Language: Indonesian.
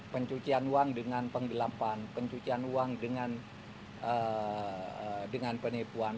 pencucian uang dengan penggelapan pencucian uang dengan penipuan